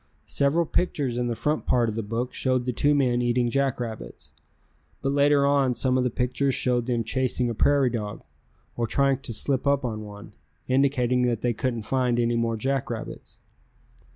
Several pictures in the front part of the book showed the two men eating jackrabbits, but later on some of the pictures showed them chasing a prairie dog, or trying to slip up on one, indicating that they couldn't find any more jackrabbits.